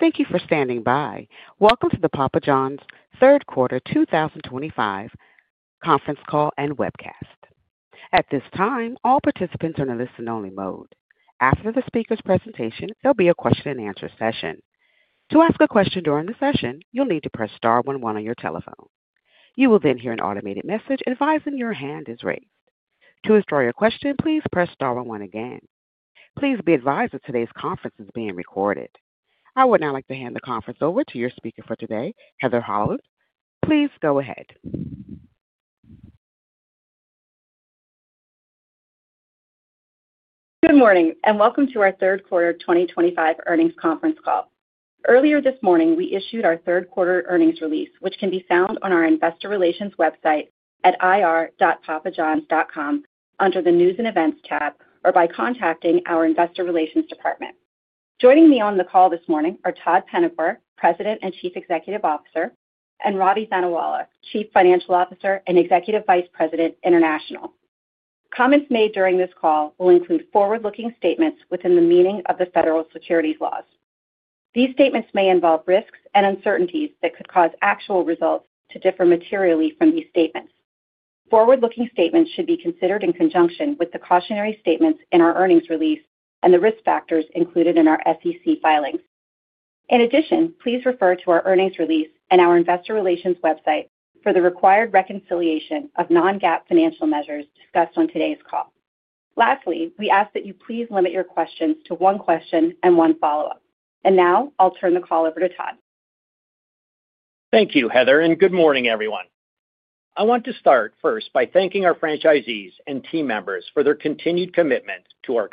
Thank you for standing by. Welcome to the Papa John's third quarter 2025 conference call and webcast. At this time, all participants are in a listen-only mode. After the speaker's presentation, there will be a question-and-answer session. To ask a question during the session, you will need to press star one one on your telephone. You will then hear an automated message advising your hand is raised. To withdraw your question, please press star one one again. Please be advised that today's conference is being recorded. I would now like to hand the conference over to your speaker for today, Heather Hollander. Please go ahead. Good morning and welcome to our third quarter 2025 earnings conference call. Earlier this morning, we issued our third quarter earnings release, which can be found on our investor relations website at ir.papajohns.com under the News and Events tab or by contacting our investor relations department. Joining me on the call this morning are Todd Penegor, President and Chief Executive Officer, and Ravi Thanawala, Chief Financial Officer and Executive Vice President, International. Comments made during this call will include forward-looking statements within the meaning of the federal securities laws. These statements may involve risks and uncertainties that could cause actual results to differ materially from these statements. Forward-looking statements should be considered in conjunction with the cautionary statements in our earnings release and the risk factors included in our SEC filings. In addition, please refer to our earnings release and our investor relations website for the required reconciliation of non-GAAP financial measures discussed on today's call. Lastly, we ask that you please limit your questions to one question and one follow-up. Now I'll turn the call over to Todd. Thank you, Heather, and good morning, everyone. I want to start first by thanking our franchisees and team members for their continued commitment to our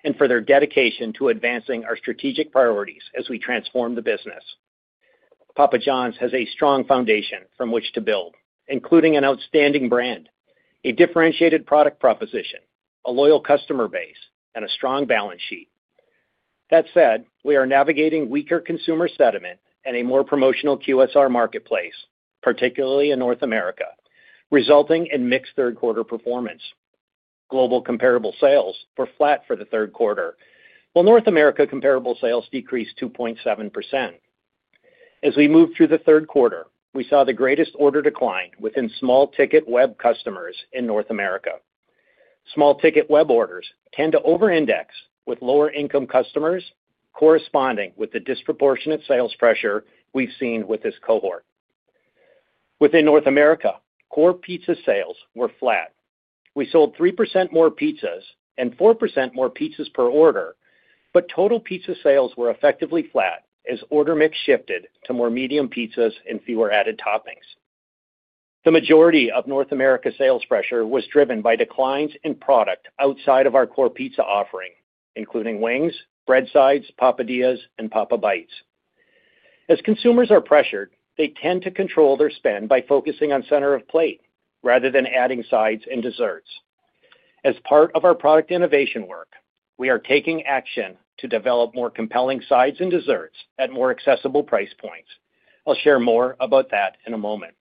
customers and for their dedication to advancing our strategic priorities as we transform the business. Papa John's has a strong foundation from which to build, including an outstanding brand, a differentiated product proposition, a loyal customer base, and a strong balance sheet. That said, we are navigating weaker consumer sentiment and a more promotional QSR marketplace, particularly in North America, resulting in mixed third-quarter performance. Global comparable sales were flat for the third quarter, while North America comparable sales decreased 2.7%. As we moved through the third quarter, we saw the greatest order decline within small-ticket web customers in North America. Small-ticket web orders tend to over-index with lower-income customers, corresponding with the disproportionate sales pressure we've seen with this cohort. Within North America, core pizza sales were flat. We sold 3% more pizzas and 4% more pizzas per order, but total pizza sales were effectively flat as order mix shifted to more medium pizzas and fewer added toppings. The majority of North America sales pressure was driven by declines in product outside of our core pizza offering, including wings, bread sides, Papadias, and Papa Bites. As consumers are pressured, they tend to control their spend by focusing on center of plate rather than adding sides and desserts. As part of our product innovation work, we are taking action to develop more compelling sides and desserts at more accessible price points. I'll share more about that in a moment.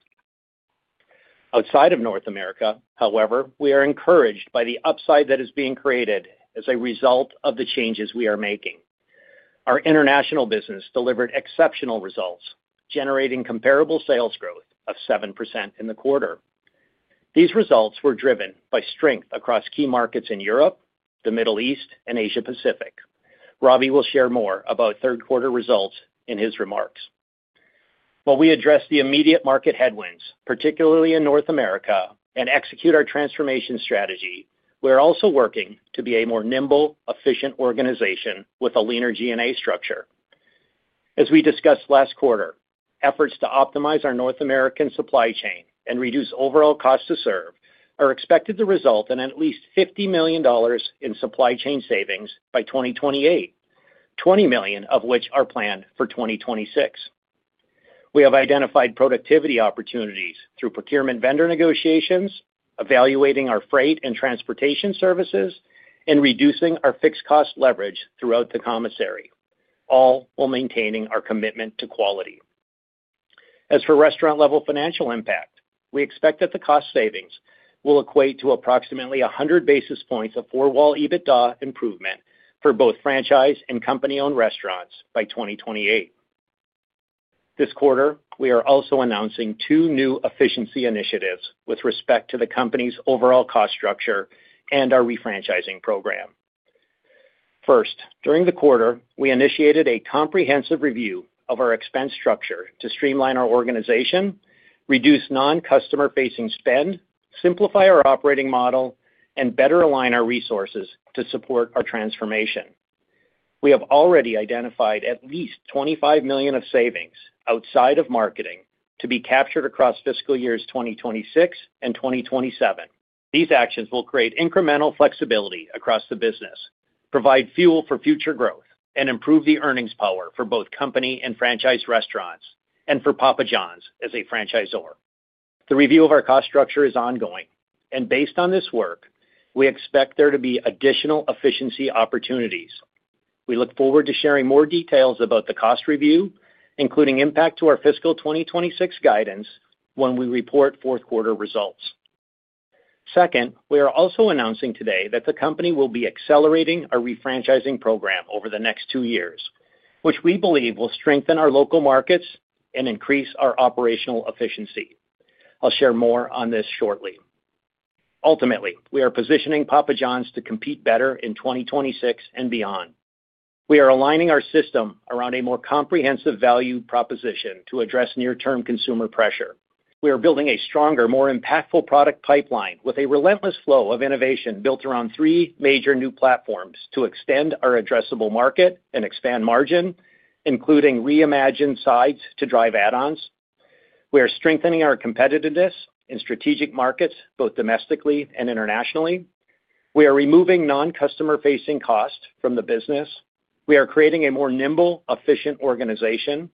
Outside of North America, however, we are encouraged by the upside that is being created as a result of the changes we are making. Our international business delivered exceptional results, generating comparable sales growth of 7% in the quarter. These results were driven by strength across key markets in Europe, the Middle East, and Asia-Pacific. Ravi will share more about third-quarter results in his remarks. While we address the immediate market headwinds, particularly in North America, and execute our transformation strategy, we're also working to be a more nimble, efficient organization with a leaner G&A structure. As we discussed last quarter, efforts to optimize our North American supply chain and reduce overall cost to serve are expected to result in at least $50 million in supply chain savings by 2028, $20 million of which are planned for 2026. We have identified productivity opportunities through procurement vendor negotiations, evaluating our freight and transportation services, and reducing our fixed-cost leverage throughout the commissary, all while maintaining our commitment to quality. As for restaurant-level financial impact, we expect that the cost savings will equate to approximately 100 basis points of four-wall EBITDA improvement for both franchise and company-owned restaurants by 2028. This quarter, we are also announcing two new efficiency initiatives with respect to the company's overall cost structure and our refranchising program. First, during the quarter, we initiated a comprehensive review of our expense structure to streamline our organization, reduce non-customer-facing spend, simplify our operating model, and better align our resources to support our transformation. We have already identified at least $25 million of savings outside of marketing to be captured across fiscal years 2026 and 2027. These actions will create incremental flexibility across the business, provide fuel for future growth, and improve the earnings power for both company and franchise restaurants and for Papa John's as a franchisor. The review of our cost structure is ongoing, and based on this work, we expect there to be additional efficiency opportunities. We look forward to sharing more details about the cost review, including impact to our fiscal 2026 guidance when we report fourth-quarter results. Second, we are also announcing today that the company will be accelerating our refranchising program over the next two years, which we believe will strengthen our local markets and increase our operational efficiency. I'll share more on this shortly. Ultimately, we are positioning Papa John's to compete better in 2026 and beyond. We are aligning our system around a more comprehensive value proposition to address near-term consumer pressure. We are building a stronger, more impactful product pipeline with a relentless flow of innovation built around three major new platforms to extend our addressable market and expand margin, including reimagined sides to drive add-ons. We are strengthening our competitiveness in strategic markets, both domestically and internationally. We are removing non-customer-facing costs from the business. We are creating a more nimble, efficient organization.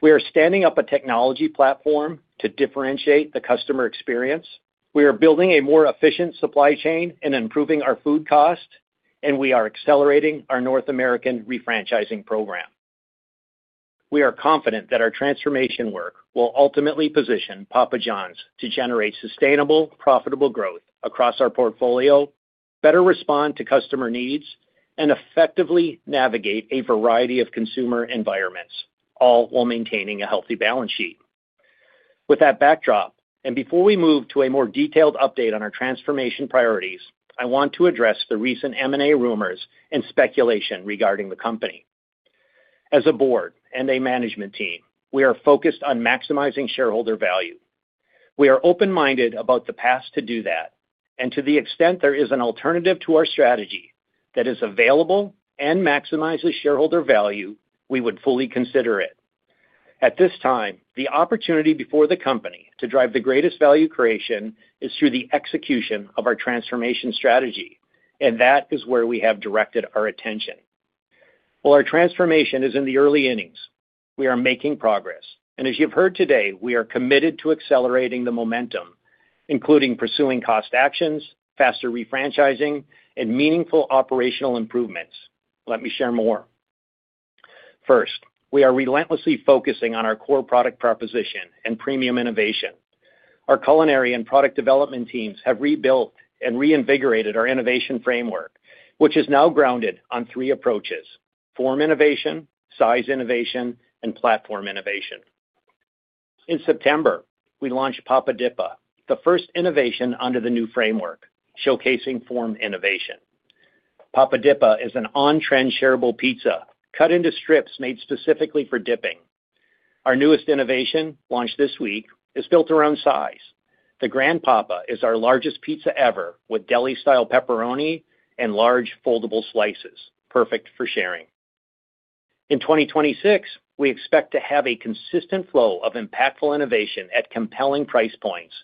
We are standing up a technology platform to differentiate the customer experience. We are building a more efficient supply chain and improving our food cost, and we are accelerating our North American refranchising program. We are confident that our transformation work will ultimately position Papa John's to generate sustainable, profitable growth across our portfolio, better respond to customer needs, and effectively navigate a variety of consumer environments, all while maintaining a healthy balance sheet. With that backdrop, and before we move to a more detailed update on our transformation priorities, I want to address the recent M&A rumors and speculation regarding the company. As a board and a management team, we are focused on maximizing shareholder value. We are open-minded about the path to do that, and to the extent there is an alternative to our strategy that is available and maximizes shareholder value, we would fully consider it. At this time, the opportunity before the company to drive the greatest value creation is through the execution of our transformation strategy, and that is where we have directed our attention. While our transformation is in the early innings, we are making progress, and as you've heard today, we are committed to accelerating the momentum, including pursuing cost actions, faster refranchising, and meaningful operational improvements. Let me share more. First, we are relentlessly focusing on our core product proposition and premium innovation. Our culinary and product development teams have rebuilt and reinvigorated our innovation framework, which is now grounded on three approaches: form innovation, size innovation, and platform innovation. In September, we launched Papa Dippa, the first innovation under the new framework, showcasing form innovation. Papa Dippa is an on-trend shareable pizza cut into strips made specifically for dipping. Our newest innovation, launched this week, is built around size. The Grand Papa is our largest pizza ever, with deli-style pepperoni and large foldable slices, perfect for sharing. In 2026, we expect to have a consistent flow of impactful innovation at compelling price points,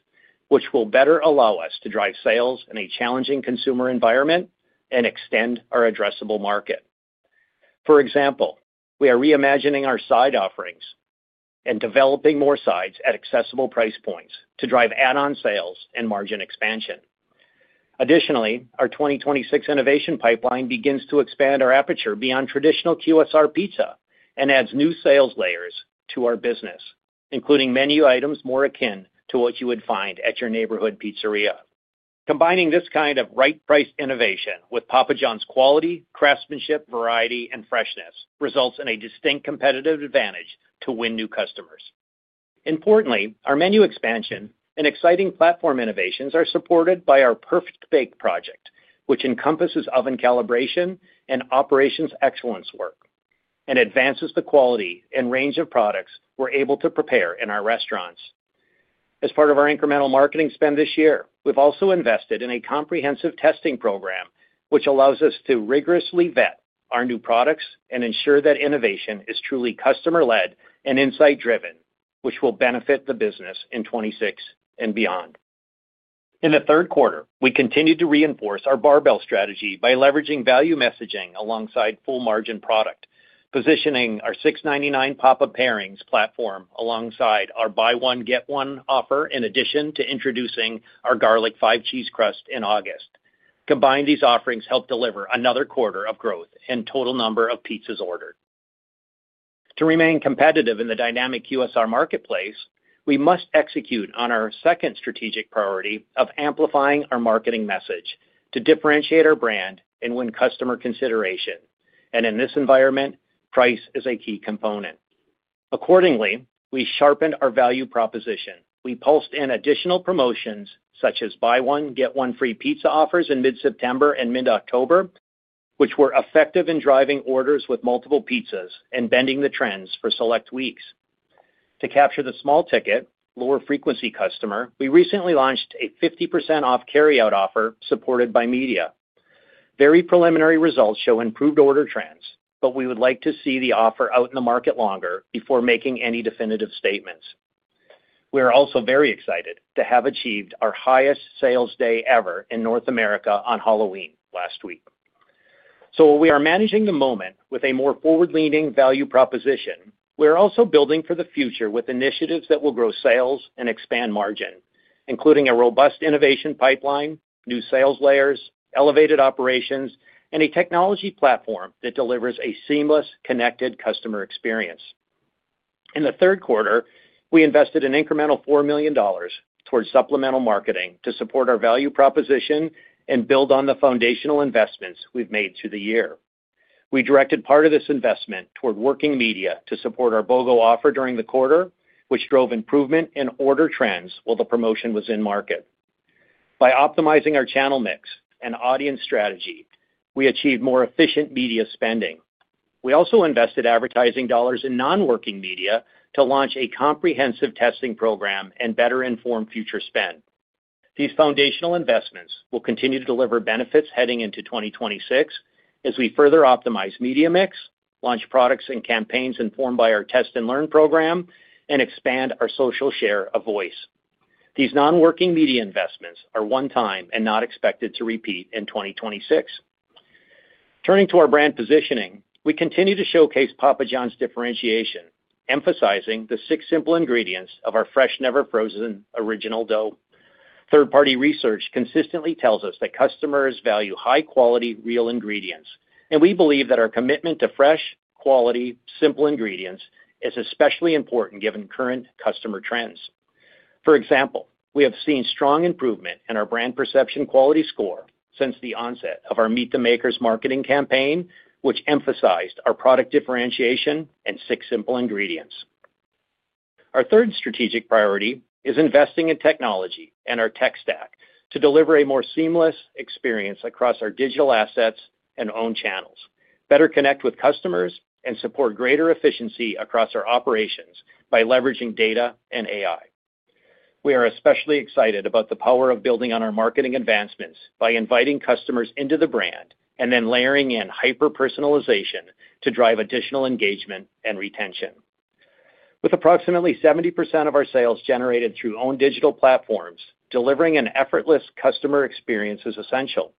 which will better allow us to drive sales in a challenging consumer environment and extend our addressable market. For example, we are reimagining our side offerings and developing more sides at accessible price points to drive add-on sales and margin expansion. Additionally, our 2026 innovation pipeline begins to expand our aperture beyond traditional QSR pizza and adds new sales layers to our business, including menu items more akin to what you would find at your neighborhood pizzeria. Combining this kind of right-priced innovation with Papa John's quality, craftsmanship, variety, and freshness results in a distinct competitive advantage to win new customers. Importantly, our menu expansion and exciting platform innovations are supported by our Perfect Bake project, which encompasses oven calibration and operations excellence work and advances the quality and range of products we're able to prepare in our restaurants. As part of our incremental marketing spend this year, we've also invested in a comprehensive testing program, which allows us to rigorously vet our new products and ensure that innovation is truly customer-led and insight-driven, which will benefit the business in 2026 and beyond. In the third quarter, we continue to reinforce our barbell strategy by leveraging value messaging alongside full-margin product, positioning our $6.99 Papa Pairings platform alongside our Buy One Get One offer, in addition to introducing our Garlic Five Cheese Crust in August. Combined, these offerings help deliver another quarter of growth and total number of pizzas ordered. To remain competitive in the dynamic QSR marketplace, we must execute on our second strategic priority of amplifying our marketing message to differentiate our brand and win customer consideration. In this environment, price is a key component. Accordingly, we sharpened our value proposition. We pulsed in additional promotions such as Buy One Get One Free Pizza offers in mid-September and mid-October, which were effective in driving orders with multiple pizzas and bending the trends for select weeks. To capture the small-ticket, lower-frequency customer, we recently launched a 50% off carryout offer supported by media. Very preliminary results show improved order trends, but we would like to see the offer out in the market longer before making any definitive statements. We are also very excited to have achieved our highest sales day ever in North America on Halloween last week. While we are managing the moment with a more forward-leaning value proposition, we are also building for the future with initiatives that will grow sales and expand margin, including a robust innovation pipeline, new sales layers, elevated operations, and a technology platform that delivers a seamless, connected customer experience. In the third quarter, we invested an incremental $4 million towards supplemental marketing to support our value proposition and build on the foundational investments we've made through the year. We directed part of this investment toward working media to support our BOGO offer during the quarter, which drove improvement in order trends while the promotion was in market. By optimizing our channel mix and audience strategy, we achieved more efficient media spending. We also invested advertising dollars in non-working media to launch a comprehensive testing program and better inform future spend. These foundational investments will continue to deliver benefits heading into 2026 as we further optimize media mix, launch products and campaigns informed by our test and learn program, and expand our social share of voice. These non-working media investments are one-time and not expected to repeat in 2026. Turning to our brand positioning, we continue to showcase Papa John's differentiation, emphasizing the six simple ingredients of our fresh, never-frozen original dough. Third-party research consistently tells us that customers value high-quality, real ingredients, and we believe that our commitment to fresh, quality, simple ingredients is especially important given current customer trends. For example, we have seen strong improvement in our brand perception quality score since the onset of our Meet the Makers marketing campaign, which emphasized our product differentiation and six simple ingredients. Our third strategic priority is investing in technology and our tech stack to deliver a more seamless experience across our digital assets and own channels, better connect with customers, and support greater efficiency across our operations by leveraging data and AI. We are especially excited about the power of building on our marketing advancements by inviting customers into the brand and then layering in hyper-personalization to drive additional engagement and retention. With approximately 70% of our sales generated through own digital platforms, delivering an effortless customer experience is essential.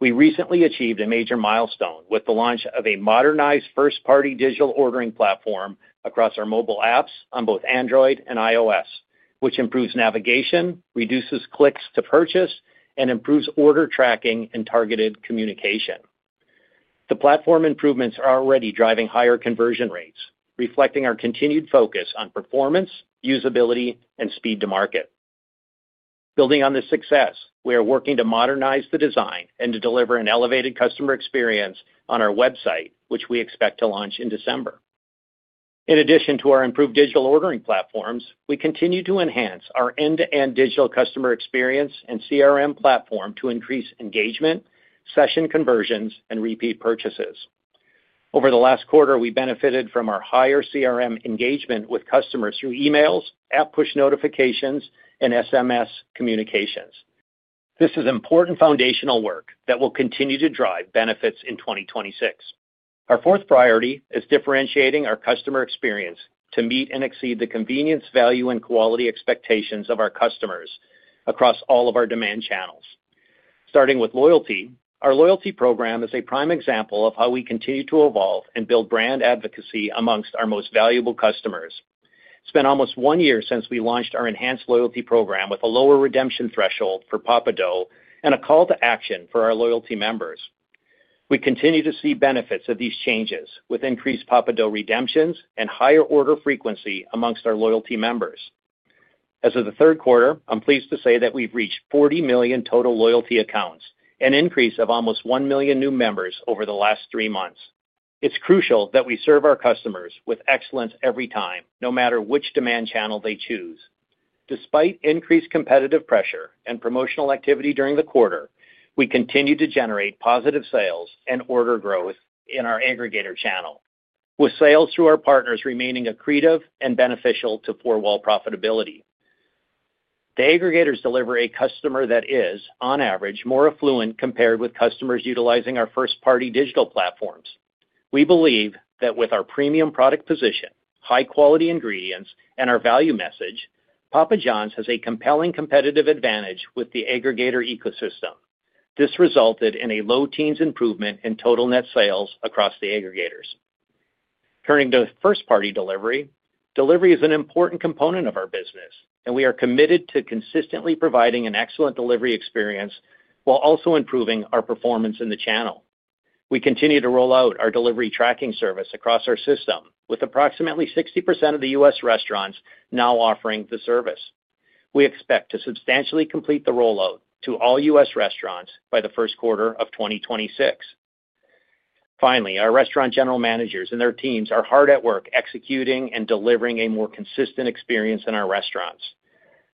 We recently achieved a major milestone with the launch of a modernized first-party digital ordering platform across our mobile apps on both Android and iOS, which improves navigation, reduces clicks to purchase, and improves order tracking and targeted communication. The platform improvements are already driving higher conversion rates, reflecting our continued focus on performance, usability, and speed to market. Building on this success, we are working to modernize the design and to deliver an elevated customer experience on our website, which we expect to launch in December. In addition to our improved digital ordering platforms, we continue to enhance our end-to-end digital customer experience and CRM platform to increase engagement, session conversions, and repeat purchases. Over the last quarter, we benefited from our higher CRM engagement with customers through emails, app push notifications, and SMS communications. This is important foundational work that will continue to drive benefits in 2026. Our fourth priority is differentiating our customer experience to meet and exceed the convenience, value, and quality expectations of our customers across all of our demand channels. Starting with loyalty, our loyalty program is a prime example of how we continue to evolve and build brand advocacy amongst our most valuable customers. It's been almost one year since we launched our enhanced loyalty program with a lower redemption threshold for Papa Dough and a call to action for our loyalty members. We continue to see benefits of these changes with increased Papa Dough redemptions and higher order frequency amongst our loyalty members. As of the third quarter, I'm pleased to say that we've reached 40 million total loyalty accounts, an increase of almost 1 million new members over the last three months. It's crucial that we serve our customers with excellence every time, no matter which demand channel they choose. Despite increased competitive pressure and promotional activity during the quarter, we continue to generate positive sales and order growth in our aggregator channel, with sales through our partners remaining accretive and beneficial to four-wall profitability. The aggregators deliver a customer that is, on average, more affluent compared with customers utilizing our first-party digital platforms. We believe that with our premium product position, high-quality ingredients, and our value message, Papa John's has a compelling competitive advantage with the aggregator ecosystem. This resulted in a low teens improvement in total net sales across the aggregators. Turning to first-party delivery, delivery is an important component of our business, and we are committed to consistently providing an excellent delivery experience while also improving our performance in the channel. We continue to roll out our delivery tracking service across our system, with approximately 60% of the U.S. restaurants now offering the service. We expect to substantially complete the rollout to all U.S. restaurants by the first quarter of 2026. Finally, our restaurant general managers and their teams are hard at work executing and delivering a more consistent experience in our restaurants.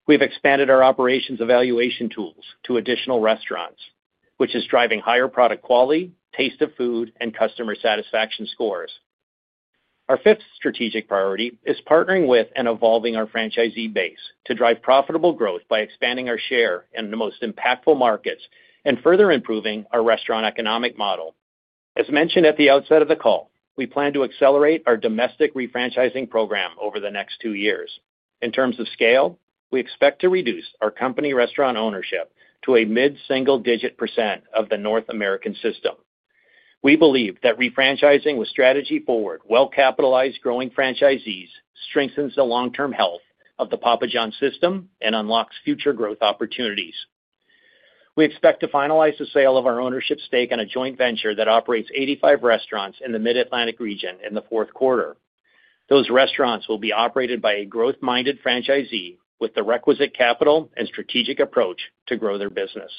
We've expanded our operations evaluation tools to additional restaurants, which is driving higher product quality, taste of food, and customer satisfaction scores. Our fifth strategic priority is partnering with and evolving our franchisee base to drive profitable growth by expanding our share in the most impactful markets and further improving our restaurant economic model. As mentioned at the outset of the call, we plan to accelerate our domestic refranchising program over the next two years. In terms of scale, we expect to reduce our company restaurant ownership to a mid-single-digit percent of the North American system. We believe that refranchising with strategy-forward, well-capitalized, growing franchisees strengthens the long-term health of the Papa John's system and unlocks future growth opportunities. We expect to finalize the sale of our ownership stake in a joint venture that operates 85 restaurants in the Mid-Atlantic region in the fourth quarter. Those restaurants will be operated by a growth-minded franchisee with the requisite capital and strategic approach to grow their business.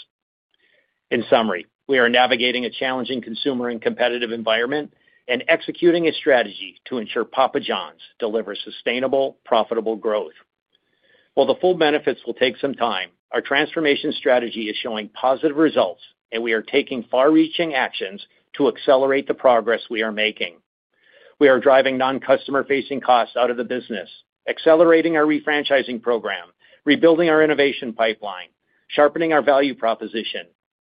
In summary, we are navigating a challenging consumer and competitive environment and executing a strategy to ensure Papa John's delivers sustainable, profitable growth. While the full benefits will take some time, our transformation strategy is showing positive results, and we are taking far-reaching actions to accelerate the progress we are making. We are driving non-customer-facing costs out of the business, accelerating our refranchising program, rebuilding our innovation pipeline, sharpening our value proposition,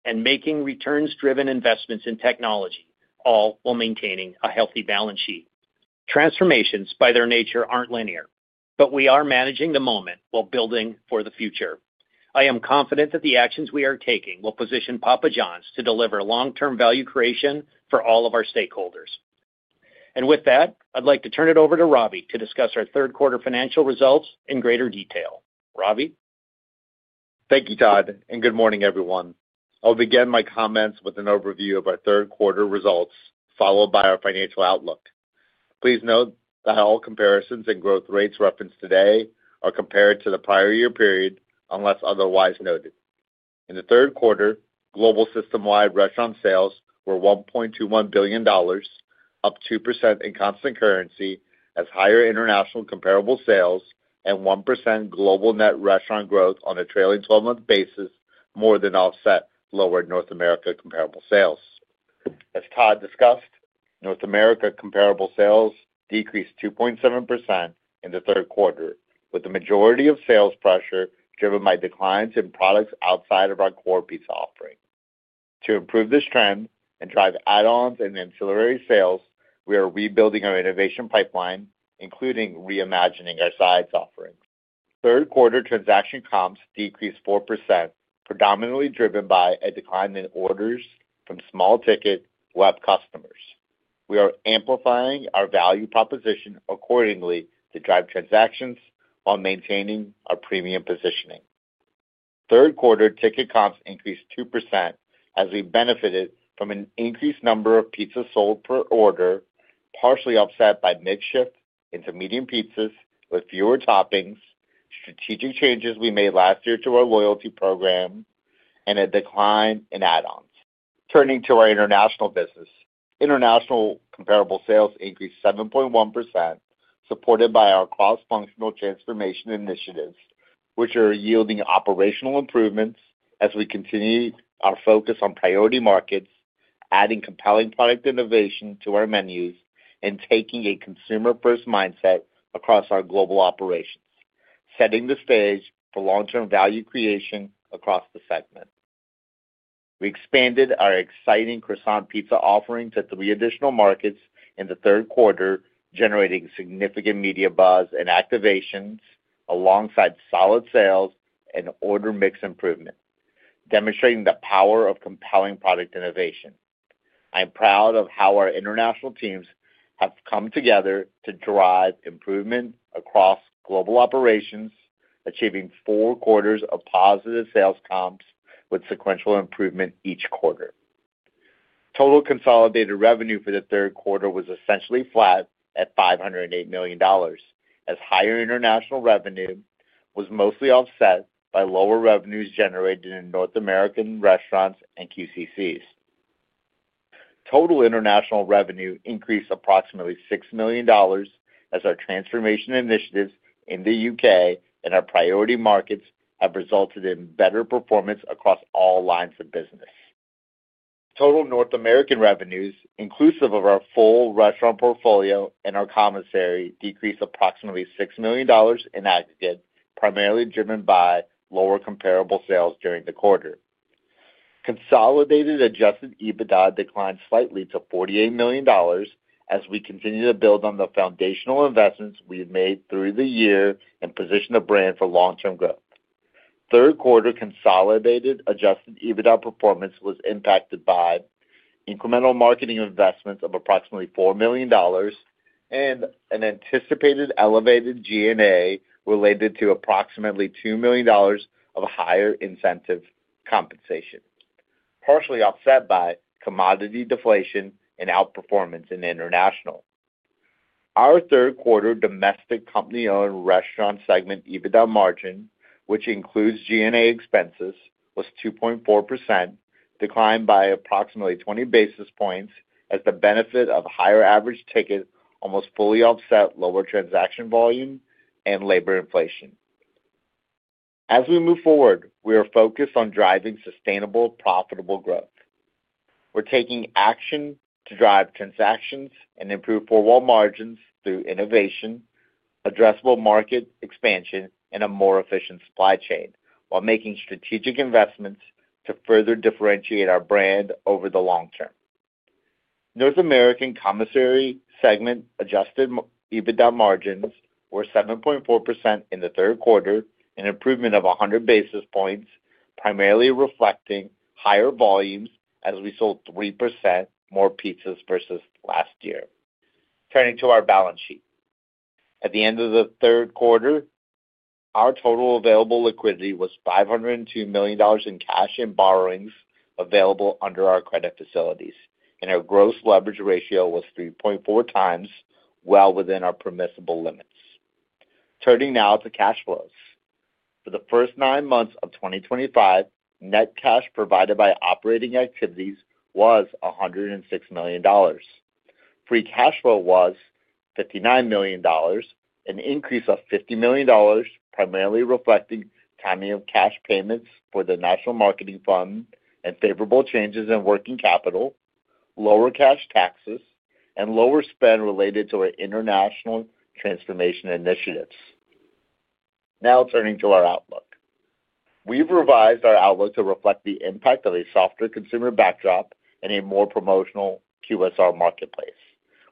and making returns-driven investments in technology, all while maintaining a healthy balance sheet. Transformations, by their nature, are not linear, but we are managing the moment while building for the future. I am confident that the actions we are taking will position Papa John's to deliver long-term value creation for all of our stakeholders. With that, I'd like to turn it over to Ravi to discuss our third-quarter financial results in greater detail. Ravi? Thank you, Todd, and good morning, everyone. I'll begin my comments with an overview of our third-quarter results, followed by our financial outlook. Please note that all comparisons and growth rates referenced today are compared to the prior year period unless otherwise noted. In the third quarter, global system-wide restaurant sales were $1.21 billion, up 2% in constant currency, as higher international comparable sales and 1% global net restaurant growth on a trailing 12-month basis more than offset lower North America comparable sales. As Todd discussed, North America comparable sales decreased 2.7% in the third quarter, with the majority of sales pressure driven by declines in products outside of our core pizza offering. To improve this trend and drive add-ons and ancillary sales, we are rebuilding our innovation pipeline, including reimagining our sides offerings. Third-quarter transaction comps decreased 4%, predominantly driven by a decline in orders from small-ticket web customers. We are amplifying our value proposition accordingly to drive transactions while maintaining our premium positioning. Third-quarter ticket comps increased 2% as we benefited from an increased number of pizzas sold per order, partially offset by mix shift into medium pizzas with fewer toppings, strategic changes we made last year to our loyalty program, and a decline in add-ons. Turning to our international business, international comparable sales increased 7.1%, supported by our cross-functional transformation initiatives, which are yielding operational improvements as we continue our focus on priority markets, adding compelling product innovation to our menus, and taking a consumer-first mindset across our global operations, setting the stage for long-term value creation across the segment. We expanded our exciting croissant pizza offering to three additional markets in the third quarter, generating significant media buzz and activations alongside solid sales and order mix improvement, demonstrating the power of compelling product innovation. I'm proud of how our international teams have come together to drive improvement across global operations, achieving four quarters of positive sales comps with sequential improvement each quarter. Total consolidated revenue for the third quarter was essentially flat at $508 million, as higher international revenue was mostly offset by lower revenues generated in North American restaurants and QCCs. Total international revenue increased approximately $6 million as our transformation initiatives in the U.K. and our priority markets have resulted in better performance across all lines of business. Total North American revenues, inclusive of our full restaurant portfolio and our commissary, decreased approximately $6 million in aggregate, primarily driven by lower comparable sales during the quarter. Consolidated Adjusted EBITDA declined slightly to $48 million as we continue to build on the foundational investments we've made through the year and position the brand for long-term growth. Third-quarter consolidated Adjusted EBITDA performance was impacted by incremental marketing investments of approximately $4 million and an anticipated elevated G&A related to approximately $2 million of higher incentive compensation, partially offset by commodity deflation and outperformance in international. Our third-quarter domestic company-owned restaurant segment EBITDA margin, which includes G&A expenses, was 2.4%, declined by approximately 20 basis points as the benefit of higher average ticket almost fully offset lower transaction volume and labor inflation. As we move forward, we are focused on driving sustainable, profitable growth. We are taking action to drive transactions and improve four-wall margins through innovation, addressable market expansion, and a more efficient supply chain, while making strategic investments to further differentiate our brand over the long term. North American commissary segment Adjusted EBITDA margins were 7.4% in the third quarter, an improvement of 100 basis points, primarily reflecting higher volumes as we sold 3% more pizzas versus last year. Turning to our balance sheet, at the end of the third quarter, our total available liquidity was $502 million in cash and borrowings available under our credit facilities, and our gross leverage ratio was 3.4x, well within our permissible limits. Turning now to cash flows. For the first nine months of 2025, net cash provided by operating activities was $106 million. Free cash flow was $59 million, an increase of $50 million, primarily reflecting timing of cash payments for the National Marketing Fund and favorable changes in working capital, lower cash taxes, and lower spend related to our international transformation initiatives. Now, turning to our outlook, we've revised our outlook to reflect the impact of a softer consumer backdrop and a more promotional QSR marketplace,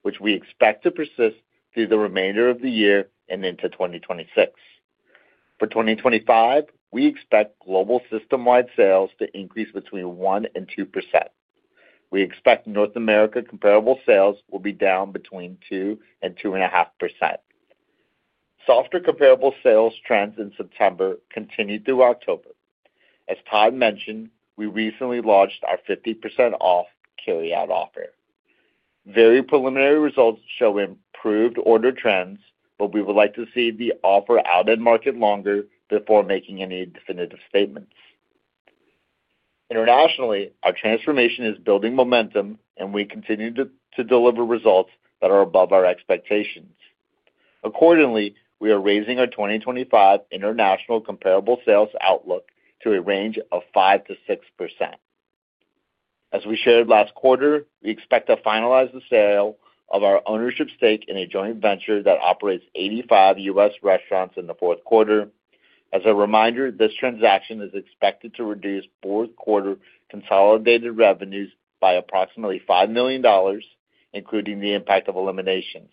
which we expect to persist through the remainder of the year and into 2026. For 2025, we expect global system-wide sales to increase between 1% and 2%. We expect North America comparable sales will be down between 2% and 2.5%. Softer comparable sales trends in September continued through October. As Todd mentioned, we recently launched our 50% off carryout offer. Very preliminary results show improved order trends, but we would like to see the offer out in market longer before making any definitive statements. Internationally, our transformation is building momentum, and we continue to deliver results that are above our expectations. Accordingly, we are raising our 2025 international comparable sales outlook to a range of 5%-6%. As we shared last quarter, we expect to finalize the sale of our ownership stake in a joint venture that operates 85 U.S. restaurants in the fourth quarter. As a reminder, this transaction is expected to reduce fourth-quarter consolidated revenues by approximately $5 million, including the impact of eliminations.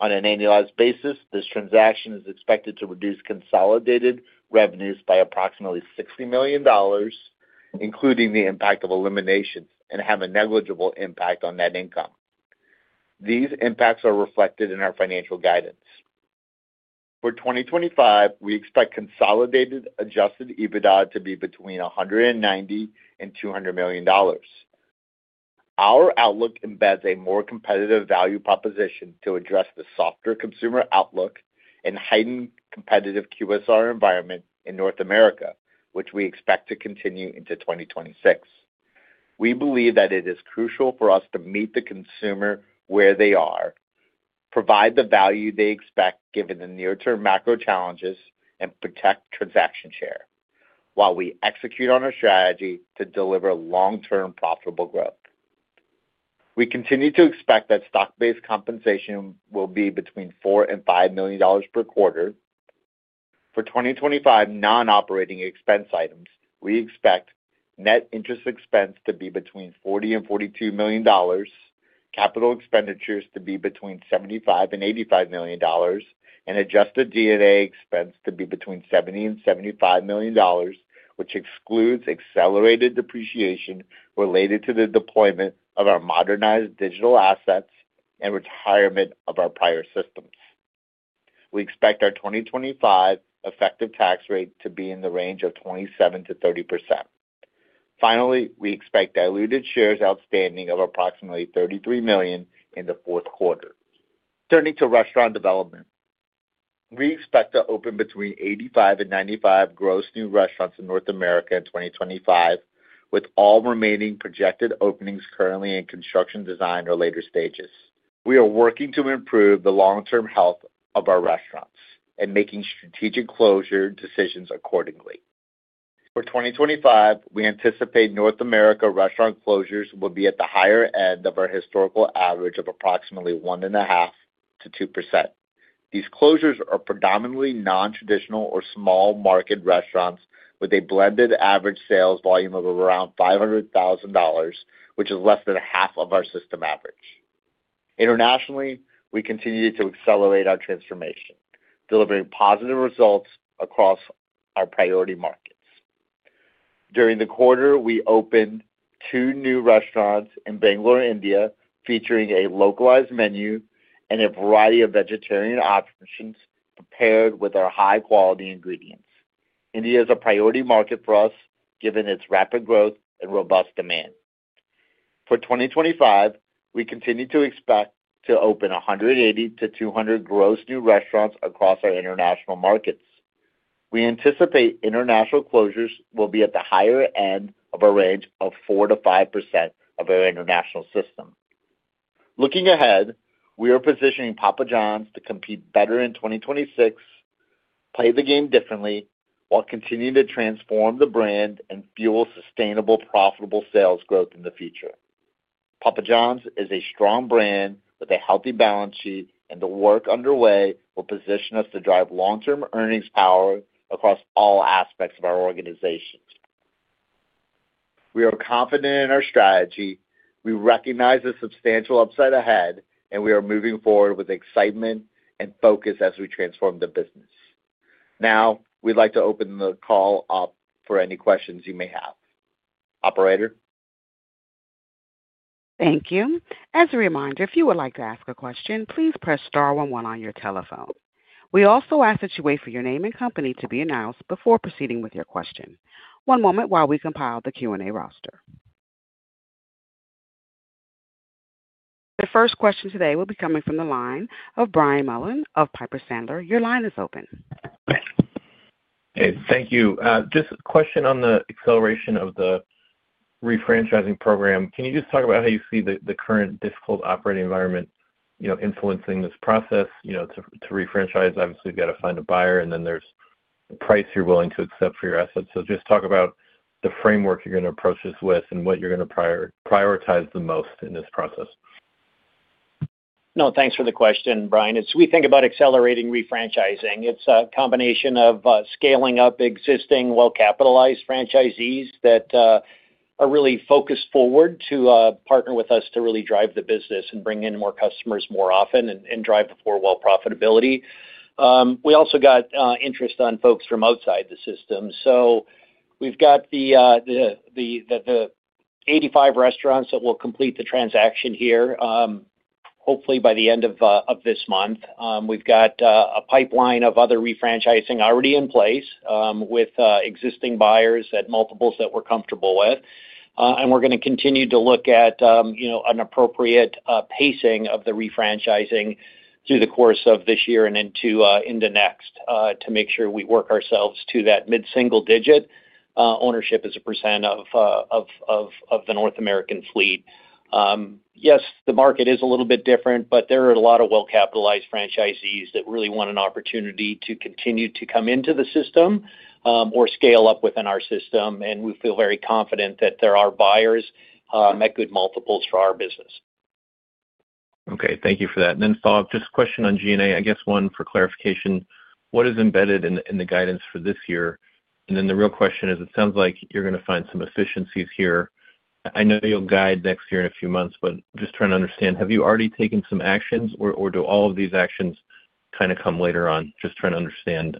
On an annualized basis, this transaction is expected to reduce consolidated revenues by approximately $60 million, including the impact of eliminations, and have a negligible impact on net income. These impacts are reflected in our financial guidance. For 2025, we expect consolidated Adjusted EBITDA to be between $190 million-$200 million. Our outlook embeds a more competitive value proposition to address the softer consumer outlook and heightened competitive QSR environment in North America, which we expect to continue into 2026. We believe that it is crucial for us to meet the consumer where they are, provide the value they expect given the near-term macro challenges, and protect transaction share while we execute on our strategy to deliver long-term profitable growth. We continue to expect that stock-based compensation will be between $4 million and $5 million per quarter. For 2025 non-operating expense items, we expect net interest expense to be between $40 million and $42 million. Capital expenditures to be between $75 million and $85 million, and adjusted D&A expense to be between $70 million and $75 million, which excludes accelerated depreciation related to the deployment of our modernized digital assets and retirement of our prior systems. We expect our 2025 effective tax rate to be in the range of 27%-30%. Finally, we expect diluted shares outstanding of approximately 33 million in the fourth quarter. Turning to restaurant development. We expect to open between 85 and 95 gross new restaurants in North America in 2025, with all remaining projected openings currently in construction design or later stages. We are working to improve the long-term health of our restaurants and making strategic closure decisions accordingly. For 2025, we anticipate North America restaurant closures will be at the higher end of our historical average of approximately 1.5%-2%. These closures are predominantly non-traditional or small market restaurants with a blended average sales volume of around $500,000, which is less than half of our system average. Internationally, we continue to accelerate our transformation, delivering positive results across our priority markets. During the quarter, we opened two new restaurants in Bangalore, India, featuring a localized menu and a variety of vegetarian options prepared with our high-quality ingredients. India is a priority market for us given its rapid growth and robust demand. For 2025, we continue to expect to open 180-200 gross new restaurants across our international markets. We anticipate international closures will be at the higher end of a range of 4%-5% of our international system. Looking ahead, we are positioning Papa John's to compete better in 2026. Play the game differently while continuing to transform the brand and fuel sustainable, profitable sales growth in the future. Papa John's is a strong brand with a healthy balance sheet, and the work underway will position us to drive long-term earnings power across all aspects of our organization. We are confident in our strategy. We recognize a substantial upside ahead, and we are moving forward with excitement and focus as we transform the business. Now, we'd like to open the call up for any questions you may have. Operator. Thank you. As a reminder, if you would like to ask a question, please press star one one on your telephone. We also ask that you wait for your name and company to be announced before proceeding with your question. One moment while we compile the Q&A roster. The first question today will be coming from the line of Brian Mullan of Piper Sandler. Your line is open. Hey, thank you. Just a question on the acceleration of the refranchising program. Can you just talk about how you see the current difficult operating environment influencing this process? To refranchise, obviously, you've got to find a buyer, and then there's the price you're willing to accept for your assets. Just talk about the framework you're going to approach this with and what you're going to prioritize the most in this process. No, thanks for the question, Brian. As we think about accelerating refranchising, it's a combination of scaling up existing well-capitalized franchisees that are really focused forward to partner with us to really drive the business and bring in more customers more often and drive the four-wall profitability. We also got interest on folks from outside the system. So we've got the 85 restaurants that will complete the transaction here, hopefully, by the end of this month. We've got a pipeline of other refranchising already in place with existing buyers at multiples that we're comfortable with. We're going to continue to look at an appropriate pacing of the refranchising through the course of this year and into next to make sure we work ourselves to that mid-single digit ownership as a percent of the North American fleet. Yes, the market is a little bit different, but there are a lot of well-capitalized franchisees that really want an opportunity to continue to come into the system or scale up within our system. We feel very confident that there are buyers at good multiples for our business. Okay. Thank you for that. Then, Todd, just a question on G&A. I guess one for clarification. What is embedded in the guidance for this year? The real question is, it sounds like you're going to find some efficiencies here. I know you'll guide next year in a few months, but just trying to understand, have you already taken some actions, or do all of these actions kind of come later on? Just trying to understand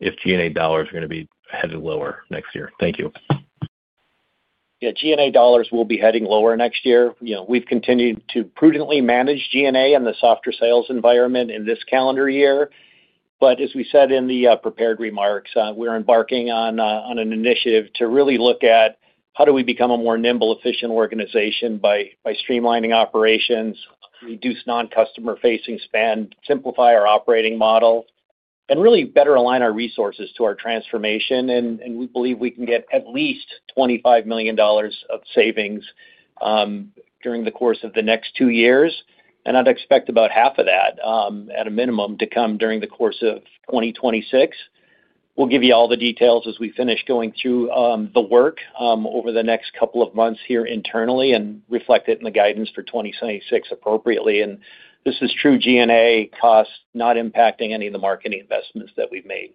if G&A dollars are going to be headed lower next year. Thank you. Yeah, G&A dollars will be heading lower next year. We've continued to prudently manage G&A and the softer sales environment in this calendar year. As we said in the prepared remarks, we're embarking on an initiative to really look at how do we become a more nimble, efficient organization by streamlining operations, reduce non-customer-facing spend, simplify our operating model, and really better align our resources to our transformation. We believe we can get at least $25 million of savings during the course of the next two years. I'd expect about half of that, at a minimum, to come during the course of 2026. We'll give you all the details as we finish going through the work over the next couple of months here internally and reflect it in the guidance for 2026 appropriately. This is true G&A costs, not impacting any of the marketing investments that we've made.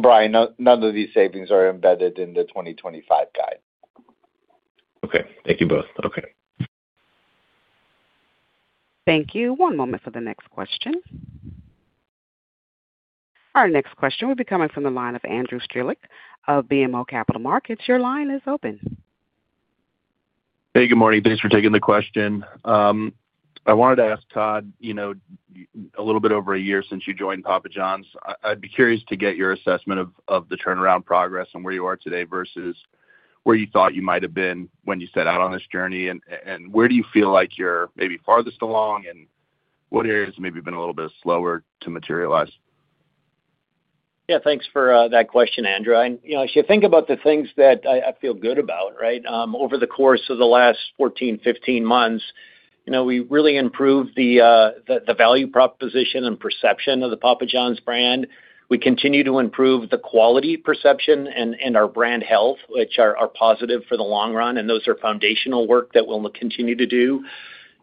Brian, none of these savings are embedded in the 2025 guide. Okay. Thank you both. Okay. Thank you. One moment for the next question. Our next question will be coming from the line of Andrew Strelzik of BMO Capital Markets. Your line is open. Hey, good morning. Thanks for taking the question. I wanted to ask Todd. A little bit over a year since you joined Papa John's, I'd be curious to get your assessment of the turnaround progress and where you are today versus where you thought you might have been when you set out on this journey. And where do you feel like you're maybe farthest along, and what areas maybe have been a little bit slower to materialize? Yeah, thanks for that question, Andrew. As you think about the things that I feel good about, right, over the course of the last 14, 15 months, we really improved the value proposition and perception of the Papa John's brand. We continue to improve the quality perception and our brand health, which are positive for the long run, and those are foundational work that we'll continue to do.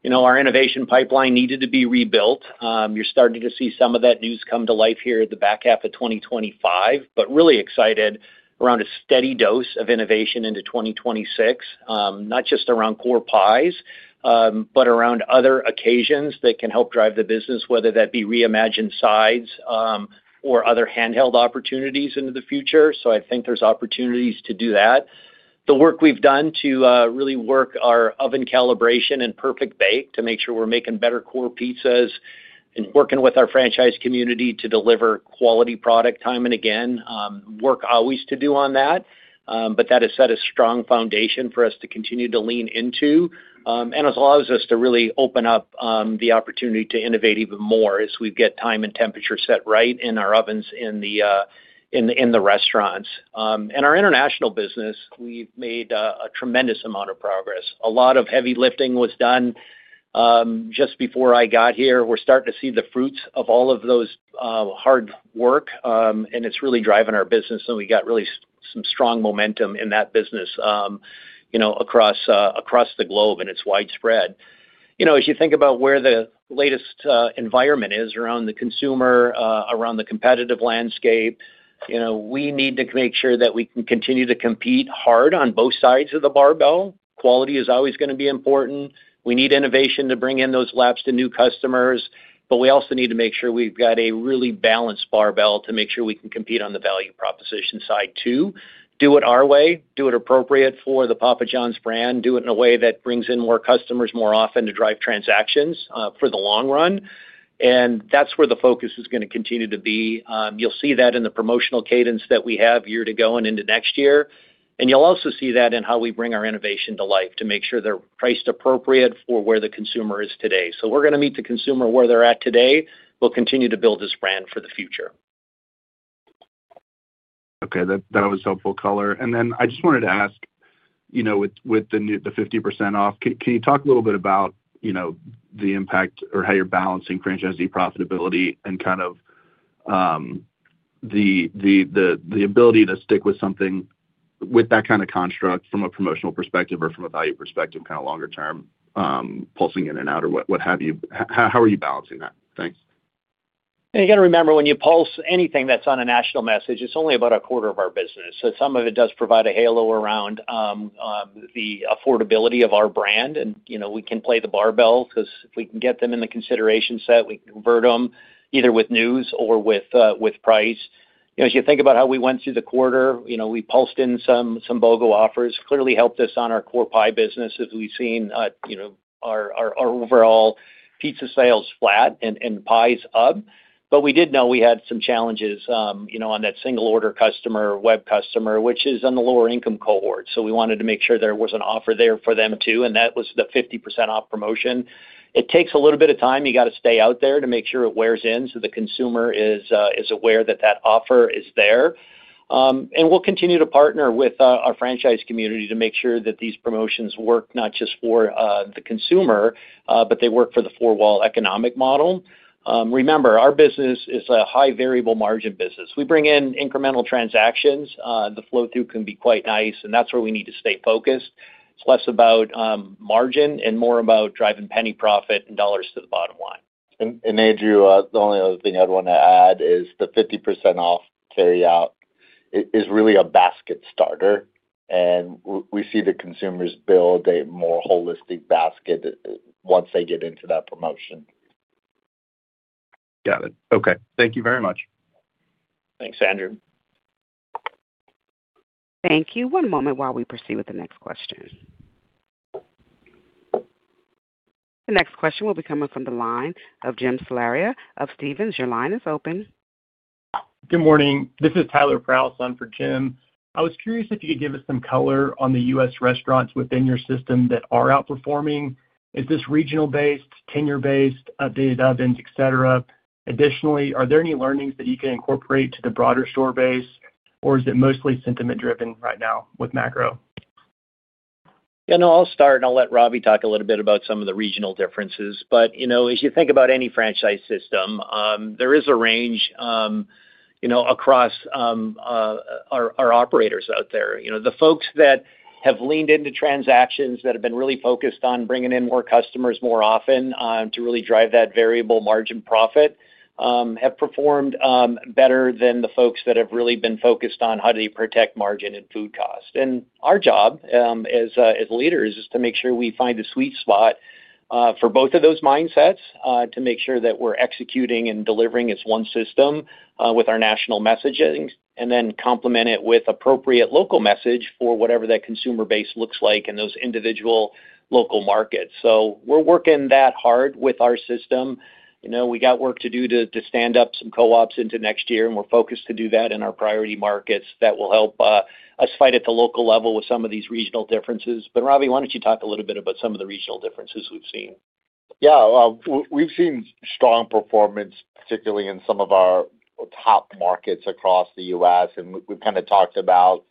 Our innovation pipeline needed to be rebuilt. You're starting to see some of that news come to life here in the back half of 2025, but really excited around a steady dose of innovation into 2026, not just around core pies, but around other occasions that can help drive the business, whether that be reimagined sides or other handheld opportunities into the future. I think there's opportunities to do that. The work we've done to really work our oven calibration and perfect bake to make sure we're making better core pizzas and working with our franchise community to deliver quality product time and again, work always to do on that. That has set a strong foundation for us to continue to lean into. It allows us to really open up the opportunity to innovate even more as we get time and temperature set right in our ovens in the restaurants. In our international business, we've made a tremendous amount of progress. A lot of heavy lifting was done just before I got here, we're starting to see the fruits of all of those hard work, and it's really driving our business. We got really some strong momentum in that business across the globe, and it's widespread. As you think about where the latest environment is around the consumer, around the competitive landscape, we need to make sure that we can continue to compete hard on both sides of the barbell. Quality is always going to be important. We need innovation to bring in those laps to new customers, but we also need to make sure we've got a really balanced barbell to make sure we can compete on the value proposition side too. Do it our way. Do it appropriate for the Papa John's brand. Do it in a way that brings in more customers more often to drive transactions for the long run. That is where the focus is going to continue to be. You'll see that in the promotional cadence that we have year to go and into next year. You'll also see that in how we bring our innovation to life to make sure they're priced appropriate for where the consumer is today. We're going to meet the consumer where they're at today. We'll continue to build this brand for the future. Okay. That was a helpful color. I just wanted to ask, with the 50% off, can you talk a little bit about the impact or how you're balancing franchisee profitability and kind of the ability to stick with something with that kind of construct from a promotional perspective or from a value perspective, kind of longer-term pulsing in and out or what have you? How are you balancing that? Thanks. You got to remember, when you pulse anything that's on a national message, it's only about a quarter of our business. Some of it does provide a halo around. The affordability of our brand. We can play the barbells because if we can get them in the consideration set, we can convert them either with news or with price. As you think about how we went through the quarter, we pulsed in some BOGO offers. Clearly helped us on our core pie business as we've seen. Our overall pizza sales flat and pies up. We did know we had some challenges on that single-order customer, web customer, which is in the lower-income cohort. We wanted to make sure there was an offer there for them too, and that was the 50% off promotion. It takes a little bit of time. You got to stay out there to make sure it wears in so the consumer is aware that that offer is there. We will continue to partner with our franchise community to make sure that these promotions work not just for the consumer, but they work for the four-wall economic model. Remember, our business is a high-variable margin business. We bring in incremental transactions. The flow-through can be quite nice, and that's where we need to stay focused. It's less about margin and more about driving penny profit and dollars to the bottom line. Andrew, the only other thing I'd want to add is the 50% off carryout is really a basket starter. We see the consumers build a more holistic basket once they get into that promotion. Got it. Okay. Thank you very much. Thanks, Andrew. Thank you. One moment while we proceed with the next question. The next question will be coming from the line of Jim Salera of Stephens. Your line is open. Good morning. This is Tyler Prause on for Jim. I was curious if you could give us some color on the U.S. restaurants within your system that are outperforming. Is this regional-based, tenure-based, updated ovens, etc.? Additionally, are there any learnings that you can incorporate to the broader store base, or is it mostly sentiment-driven right now with macro? Yeah. No, I'll start, and I'll let Ravi talk a little bit about some of the regional differences. As you think about any franchise system, there is a range across our operators out there. The folks that have leaned into transactions, that have been really focused on bringing in more customers more often to really drive that variable margin profit, have performed better than the folks that have really been focused on how do you protect margin and food cost. Our job as leaders is to make sure we find a sweet spot for both of those mindsets to make sure that we're executing and delivering as one system with our national messaging, and then complement it with appropriate local message for whatever that consumer base looks like in those individual local markets. We're working that hard with our system. We got work to do to stand up some co-ops into next year, and we're focused to do that in our priority markets that will help us fight at the local level with some of these regional differences. Ravi, why don't you talk a little bit about some of the regional differences we've seen? Yeah. We've seen strong performance, particularly in some of our top markets across the U.S. And we've kind of talked about.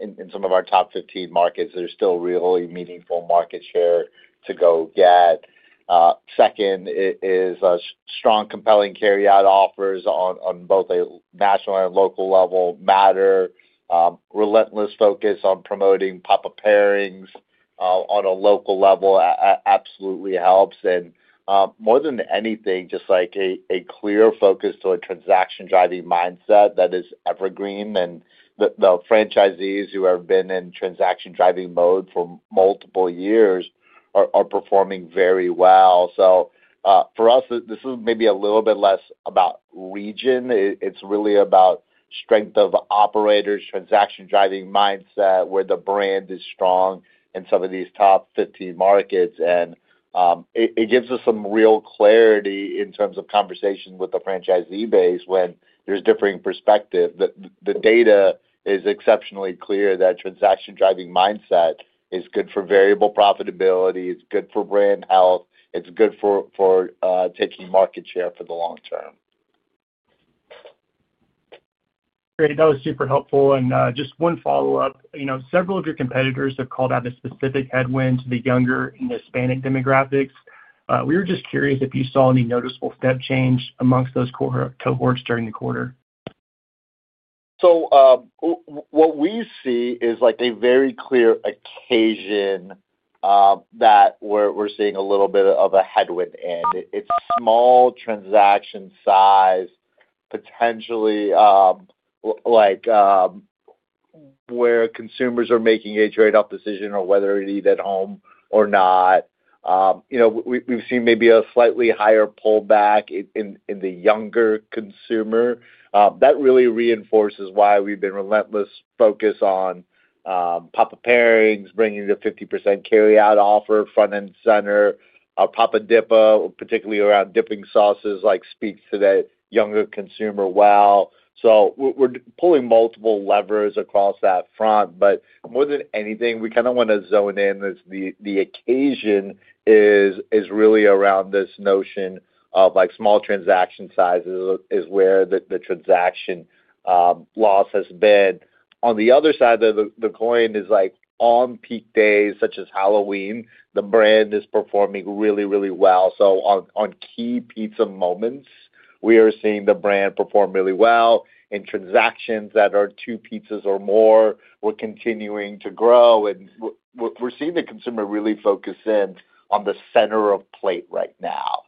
In some of our top 15 markets, there's still really meaningful market share to go get. Second is strong, compelling carryout offers on both a national and local level matter. Relentless focus on promoting Papa Pairings on a local level absolutely helps. More than anything, just like a clear focus to a transaction-driving mindset that is evergreen. The franchisees who have been in transaction-driving mode for multiple years are performing very well. For us, this is maybe a little bit less about region. It's really about strength of operators, transaction-driving mindset where the brand is strong in some of these top 15 markets. It gives us some real clarity in terms of conversation with the franchisee base when there's differing perspective. The data is exceptionally clear that transaction-driving mindset is good for variable profitability. It's good for brand health. It's good for taking market share for the long term. Great. That was super helpful. Just one follow-up. Several of your competitors have called out a specific headwind to the younger and Hispanic demographics. We were just curious if you saw any noticeable step change amongst those cohorts during the quarter. What we see is a very clear occasion that we're seeing a little bit of a headwind in. It's small transaction size, potentially. Like, where consumers are making a trade-off decision on whether you need it home or not. We've seen maybe a slightly higher pullback in the younger consumer. That really reinforces why we've been relentless focused on Papa Pairings, bringing the 50% carryout offer front and center. Papa Dippa, particularly around dipping sauces, speaks to that younger consumer well. We're pulling multiple levers across that front. More than anything, we kind of want to zone in as the occasion is really around this notion of small transaction sizes is where the transaction loss has been. On the other side of the coin, on peak days such as Halloween, the brand is performing really, really well. On key pizza moments, we are seeing the brand perform really well. Transactions that are two pizzas or more were continuing to grow. We are seeing the consumer really focus in on the center of plate right now.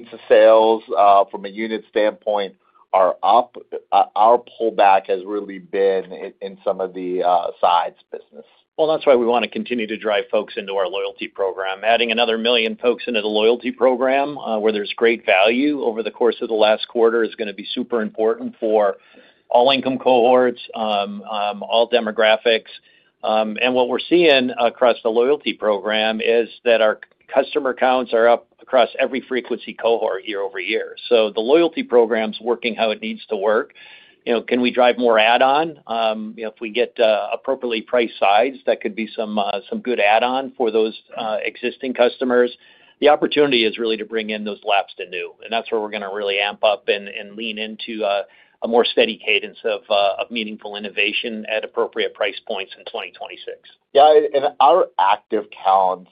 Pizza sales from a unit standpoint are up. Our pullback has really been in some of the sides business. That is why we want to continue to drive folks into our loyalty program. Adding another million folks into the loyalty program where there is great value over the course of the last quarter is going to be super important for. All-income cohorts. All demographics. What we're seeing across the loyalty program is that our customer counts are up across every frequency cohort year over year. The loyalty program's working how it needs to work. Can we drive more add-on? If we get appropriately priced sides, that could be some good add-on for those existing customers. The opportunity is really to bring in those laps to new. That's where we're going to really amp up and lean into a more steady cadence of meaningful innovation at appropriate price points in 2026. Yeah. Our active counts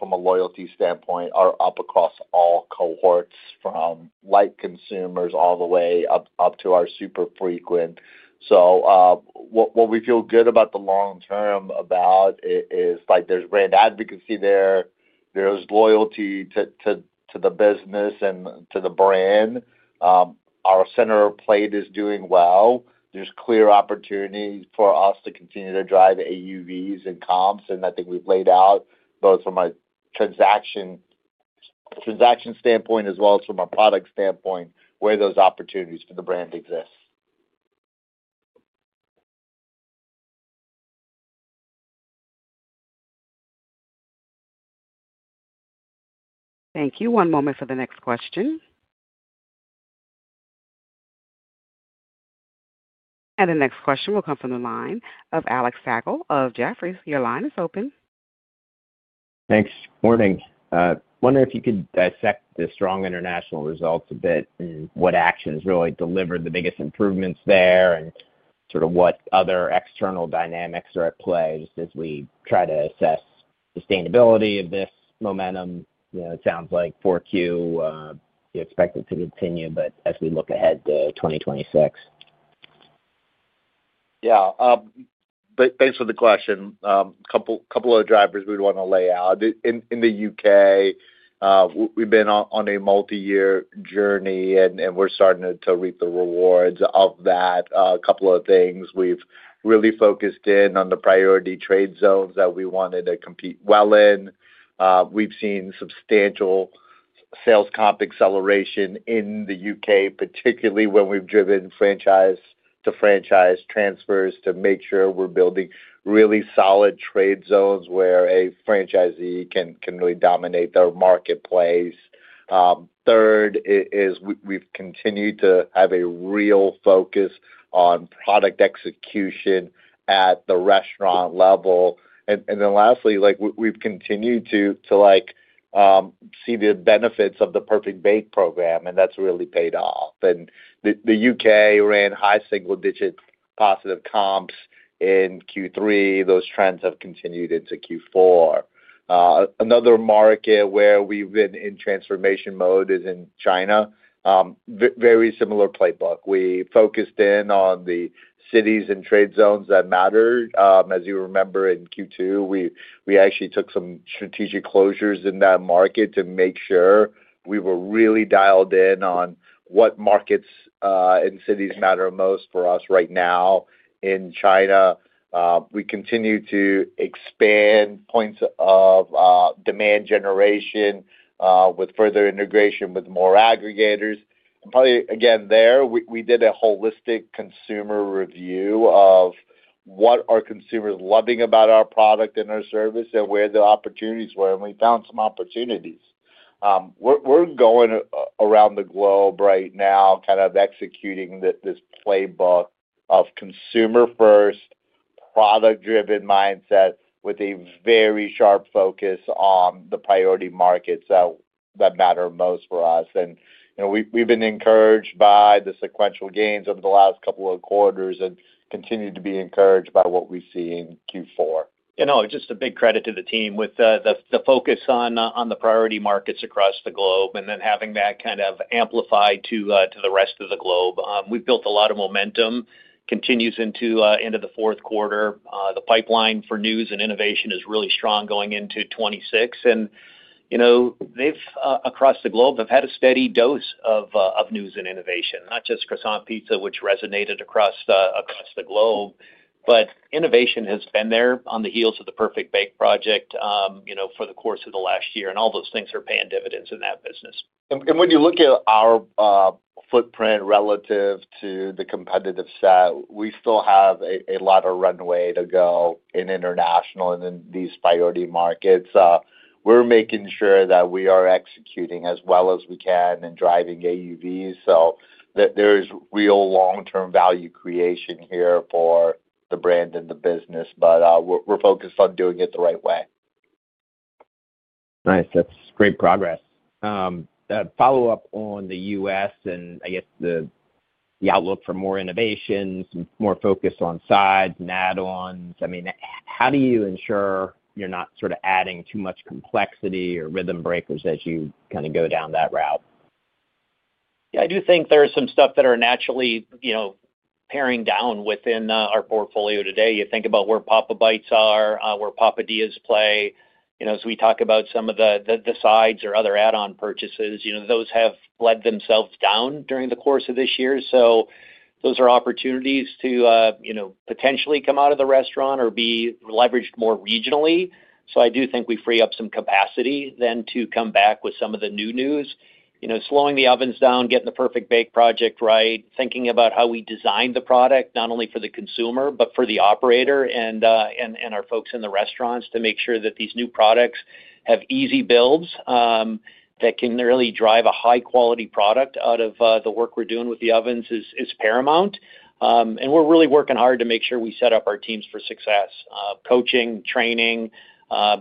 from a loyalty standpoint are up across all cohorts from light consumers all the way up to our super frequent. What we feel good about the long term about is there's brand advocacy there. There's loyalty to the business and to the brand. Our center plate is doing well. There's clear opportunities for us to continue to drive AUVs and comps. I think we've laid out both from a transaction standpoint as well as from a product standpoint where those opportunities for the brand exist. Thank you. One moment for the next question. The next question will come from the line of Alex Slagle of Jefferies. Your line is open. Thanks. Morning. I wonder if you could dissect the strong international results a bit and what actions really delivered the biggest improvements there and sort of what other external dynamics are at play just as we try to assess sustainability of this momentum. It sounds like 4Q you expect it to continue, but as we look ahead to 2026. Yeah. Thanks for the question. A couple of drivers we'd want to lay out. In the U.K. We've been on a multi-year journey, and we're starting to reap the rewards of that. A couple of things. We've really focused in on the priority trade zones that we wanted to compete well in. We've seen substantial sales comp acceleration in the U.K., particularly when we've driven franchise-to-franchise transfers to make sure we're building really solid trade zones where a franchisee can really dominate their marketplace. Third is we've continued to have a real focus on product execution at the restaurant level. Lastly, we've continued to see the benefits of the perfect bake program, and that's really paid off. The U.K. ran high single-digit positive comps in Q3. Those trends have continued into Q4. Another market where we've been in transformation mode is in China. Very similar playbook. We focused in on the cities and trade zones that matter. As you remember, in Q2, we actually took some strategic closures in that market to make sure we were really dialed in on what markets and cities matter most for us right now. In China, we continue to expand points of demand generation with further integration with more aggregators. Probably, again, there, we did a holistic consumer review of what are consumers loving about our product and our service and where the opportunities were. We found some opportunities. We are going around the globe right now, kind of executing this playbook of consumer-first, product-driven mindset with a very sharp focus on the priority markets that matter most for us. We have been encouraged by the sequential gains over the last couple of quarters and continue to be encouraged by what we see in Q4. Just a big credit to the team with the focus on the priority markets across the globe and then having that kind of amplified to the rest of the globe. We've built a lot of momentum, continues into the fourth quarter. The pipeline for news and innovation is really strong going into 2026. Across the globe, they've had a steady dose of news and innovation, not just croissant pizza, which resonated across the globe, but innovation has been there on the heels of the perfect bake project for the course of the last year. All those things are paying dividends in that business. When you look at our footprint relative to the competitive set, we still have a lot of runway to go in international and in these priority markets. We're making sure that we are executing as well as we can and driving AUVs. There is real long-term value creation here for the brand and the business, but we're focused on doing it the right way. Nice. That's great progress. That follow-up on the U.S. and I guess the outlook for more innovations, more focus on sides and add-ons. I mean, how do you ensure you're not sort of adding too much complexity or rhythm breakers as you kind of go down that route? Yeah. I do think there are some stuff that are naturally paring down within our portfolio today. You think about where Papa Bites are, where Papadias play. As we talk about some of the sides or other add-on purchases, those have bled themselves down during the course of this year. Those are opportunities to potentially come out of the restaurant or be leveraged more regionally. I do think we free up some capacity then to come back with some of the new news. Slowing the ovens down, getting the perfect bake project right, thinking about how we design the product not only for the consumer, but for the operator and our folks in the restaurants to make sure that these new products have easy builds. That can really drive a high-quality product out of the work we are doing with the ovens is paramount. We are really working hard to make sure we set up our teams for success. Coaching, training,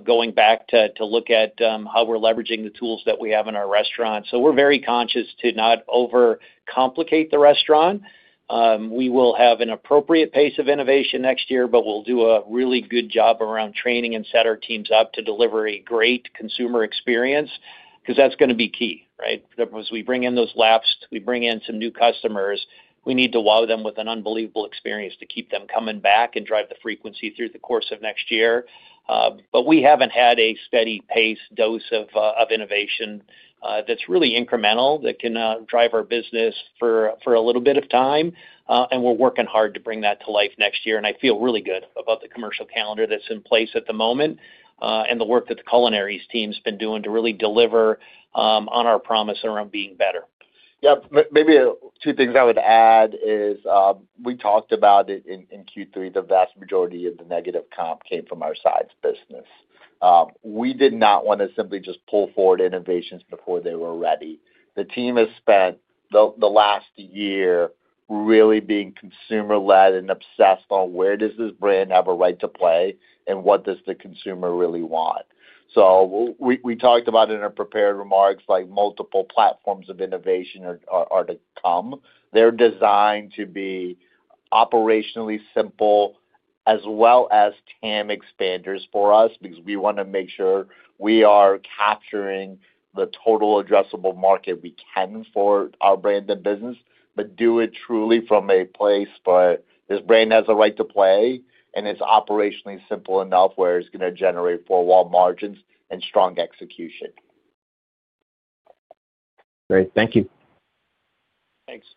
going back to look at how we are leveraging the tools that we have in our restaurants. We are very conscious to not overcomplicate the restaurant. We will have an appropriate pace of innovation next year, but we'll do a really good job around training and set our teams up to deliver a great consumer experience because that's going to be key, right? As we bring in those laps, we bring in some new customers. We need to wow them with an unbelievable experience to keep them coming back and drive the frequency through the course of next year. We haven't had a steady pace dose of innovation that's really incremental that can drive our business for a little bit of time. We're working hard to bring that to life next year. I feel really good about the commercial calendar that's in place at the moment and the work that the culinaries team has been doing to really deliver on our promise around being better. Yeah. Maybe two things I would add is we talked about it in Q3. The vast majority of the negative comp came from our sides business. We did not want to simply just pull forward innovations before they were ready. The team has spent the last year really being consumer-led and obsessed on where does this brand have a right to play and what does the consumer really want. We talked about in our prepared remarks multiple platforms of innovation are to come. They're designed to be operationally simple as well as TAM expanders for us because we want to make sure we are capturing the total addressable market we can for our brand and business, but do it truly from a place where this brand has a right to play and it's operationally simple enough where it's going to generate four-wall margins and strong execution. Great. Thank you. Thanks.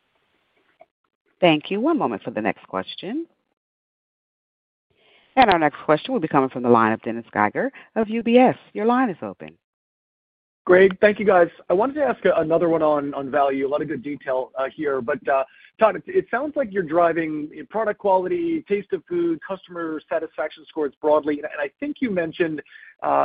Thank you. One moment for the next question. Our next question will be coming from the line of Dennis Geiger of UBS. Your line is open. Great. Thank you, guys. I wanted to ask another one on value. A lot of good detail here. Todd, it sounds like you're driving product quality, taste of food, customer satisfaction scores broadly. I think you mentioned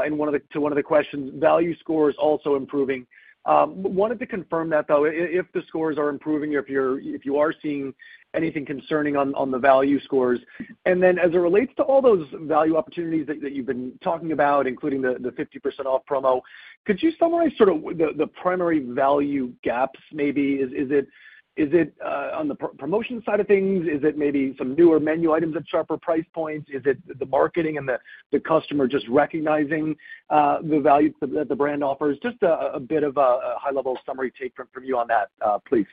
in one of the questions, value scores also improving. Wanted to confirm that, though, if the scores are improving or if you are seeing anything concerning on the value scores. As it relates to all those value opportunities that you've been talking about, including the 50% off promo, could you summarize sort of the primary value gaps maybe? Is it on the promotion side of things? Is it maybe some newer menu items at sharper price points? Is it the marketing and the customer just recognizing the value that the brand offers? Just a bit of a high-level summary take from you on that, please.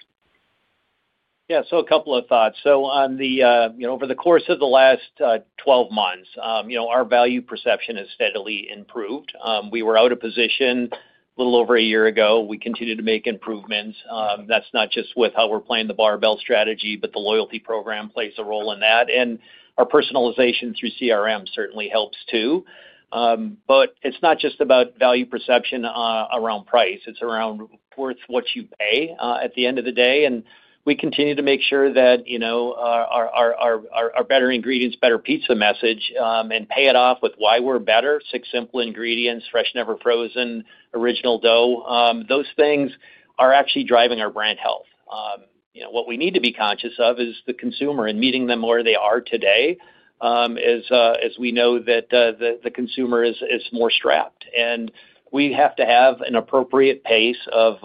Yeah. So a couple of thoughts. Over the course of the last 12 months, our value perception has steadily improved. We were out of position a little over a year ago. We continue to make improvements. That is not just with how we are playing the barbell strategy, but the loyalty program plays a role in that. Our personalization through CRM certainly helps too. It is not just about value perception around price. It is around worth what you pay at the end of the day. We continue to make sure that our better ingredients, better pizza message, and pay it off with why we are better. Six simple ingredients, fresh, never frozen, original dough. Those things are actually driving our brand health. What we need to be conscious of is the consumer and meeting them where they are today. As we know that the consumer is more strapped. We have to have an appropriate pace of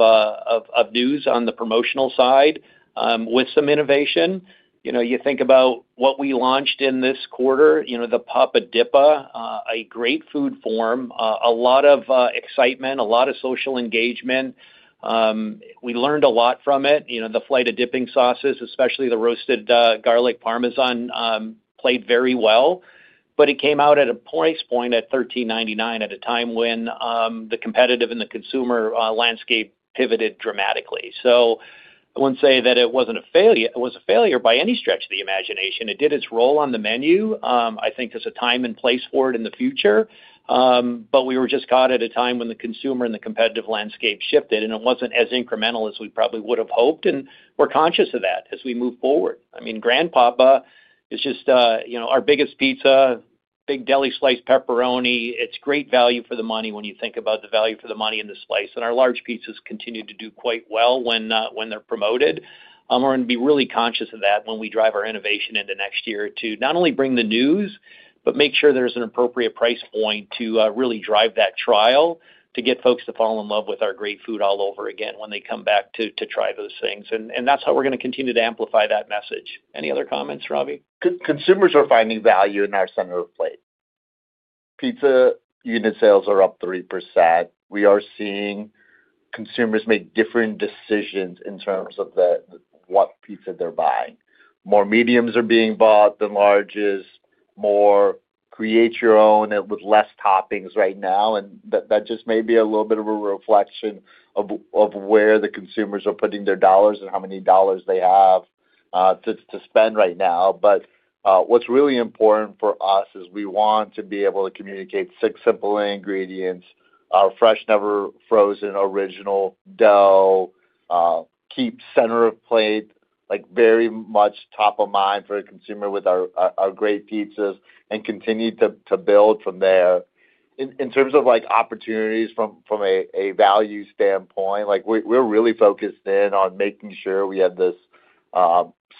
news on the promotional side with some innovation. You think about what we launched in this quarter, the Papa Dippa, a great food form, a lot of excitement, a lot of social engagement. We learned a lot from it. The flight of dipping sauces, especially the roasted garlic Parmesan, played very well. It came out at a price point at $13.99 at a time when the competitive and the consumer landscape pivoted dramatically. I would not say that it was a failure by any stretch of the imagination. It did its role on the menu. I think there is a time and place for it in the future. We were just caught at a time when the consumer and the competitive landscape shifted, and it wasn't as incremental as we probably would have hoped. We're conscious of that as we move forward. I mean, Grand Papa is just our biggest pizza, big deli sliced pepperoni. It's great value for the money when you think about the value for the money and the slice. Our large pizzas continue to do quite well when they're promoted. We're going to be really conscious of that when we drive our innovation into next year to not only bring the news, but make sure there's an appropriate price point to really drive that trial to get folks to fall in love with our great food all over again when they come back to try those things. That's how we're going to continue to amplify that message. Any other comments, Ravi? Consumers are finding value in our center of plate. Pizza unit sales are up 3%. We are seeing consumers make different decisions in terms of what pizza they're buying. More mediums are being bought than larges, more create your own with less toppings right now. That just may be a little bit of a reflection of where the consumers are putting their dollars and how many dollars they have to spend right now. What is really important for us is we want to be able to communicate six simple ingredients, our fresh, never frozen original dough. Keep center of plate very much top of mind for a consumer with our great pizzas and continue to build from there. In terms of opportunities from a value standpoint, we're really focused in on making sure we have this.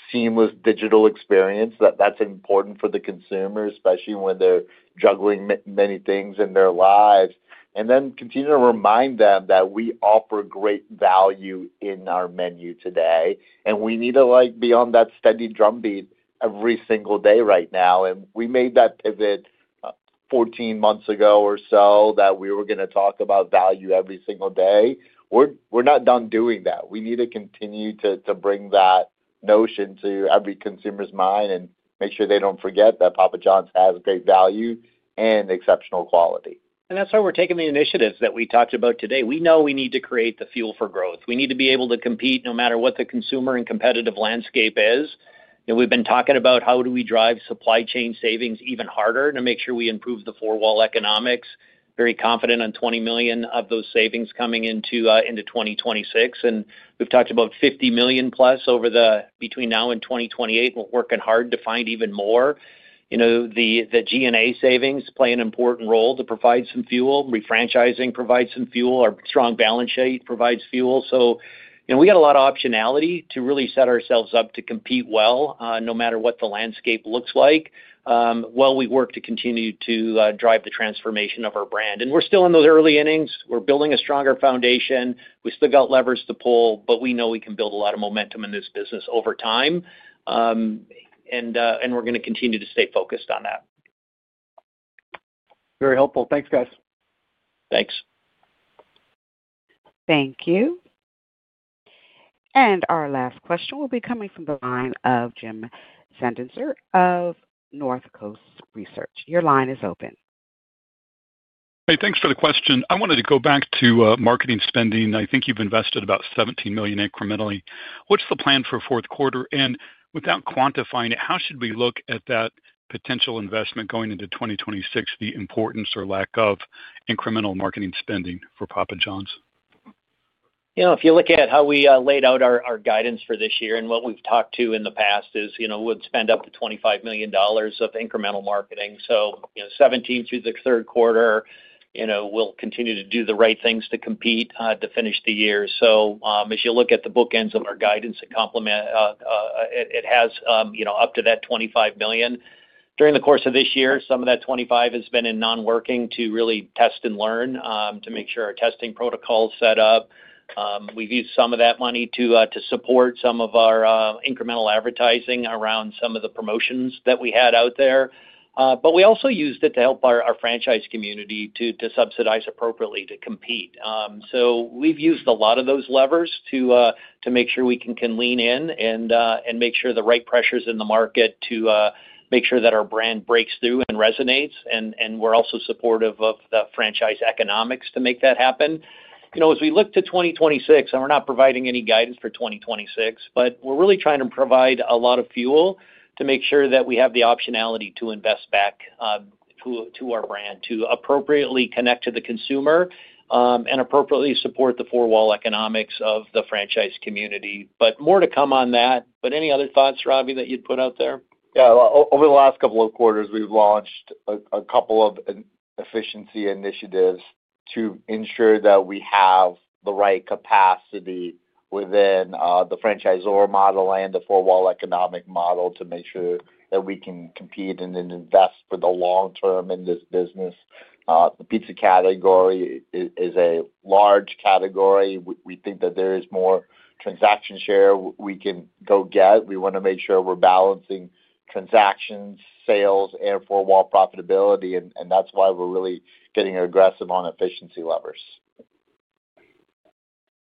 Seamless digital experience, that's important for the consumer, especially when they're juggling many things in their lives. We continue to remind them that we offer great value in our menu today. We need to be on that steady drumbeat every single day right now. We made that pivot 14 months ago or so, that we were going to talk about value every single day. We're not done doing that. We need to continue to bring that notion to every consumer's mind and make sure they don't forget that Papa John's has great value and exceptional quality. That's how we're taking the initiatives that we talked about today. We know we need to create the fuel for growth. We need to be able to compete no matter what the consumer and competitive landscape is. We've been talking about how do we drive supply chain savings even harder to make sure we improve the four-wall economics. Very confident on $20 million of those savings coming into 2026. And we've talked about $50 million+ between now and 2028. We're working hard to find even more. The G&A savings play an important role to provide some fuel. Refranchising provides some fuel. Our strong balance sheet provides fuel. We got a lot of optionality to really set ourselves up to compete well no matter what the landscape looks like. While we work to continue to drive the transformation of our brand. We're still in those early innings. We're building a stronger foundation. We still got levers to pull, but we know we can build a lot of momentum in this business over time. We're going to continue to stay focused on that. Very helpful. Thanks, guys. Thanks. Thank you. Our last question will be coming from the line of Jim Sanderson of Northcoast Research. Your line is open. Hey, thanks for the question. I wanted to go back to marketing spending. I think you've invested about $17 million incrementally. What's the plan for fourth quarter? Without quantifying it, how should we look at that potential investment going into 2026, the importance or lack of incremental marketing spending for Papa John's? If you look at how we laid out our guidance for this year and what we've talked to in the past is we'd spend up to $25 million of incremental marketing. So $17 million through the third quarter. We'll continue to do the right things to compete to finish the year. As you look at the bookends of our guidance and complement, it has up to that $25 million. During the course of this year, some of that $25 million has been in non-working to really test and learn to make sure our testing protocol is set up. We've used some of that money to support some of our incremental advertising around some of the promotions that we had out there. We also used it to help our franchise community to subsidize appropriately to compete. We've used a lot of those levers to make sure we can lean in and make sure the right pressure is in the market to make sure that our brand breaks through and resonates. We're also supportive of the franchise economics to make that happen. As we look to 2026, and we're not providing any guidance for 2026, we're really trying to provide a lot of fuel to make sure that we have the optionality to invest back. To our brand to appropriately connect to the consumer and appropriately support the four-wall economics of the franchise community. More to come on that. Any other thoughts, Ravi, that you'd put out there? Yeah. Over the last couple of quarters, we've launched a couple of efficiency initiatives to ensure that we have the right capacity within the franchisor model and the four-wall economic model to make sure that we can compete and invest for the long term in this business. The pizza category is a large category. We think that there is more transaction share we can go get. We want to make sure we're balancing transactions, sales, and four-wall profitability. That's why we're really getting aggressive on efficiency levers.